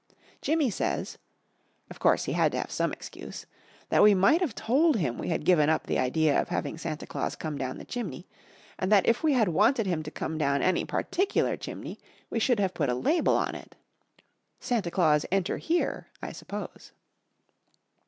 Jimmy says of course he had to have some excuse that we might have told him we had given up the idea of having Santa Claus come down the chimney, and that if we had wanted him to come down any particular chimney we should have put a label on it. "Santa Claus enter here," I suppose.